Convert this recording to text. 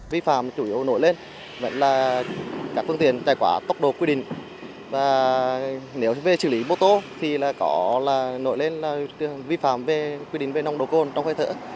vi phạm chủ yếu nổi lên vẫn là các phương tiện trải qua tốc độ quy định và nếu về xử lý bố tố thì có nổi lên là vi phạm quy định về nông độ côn trong khai thở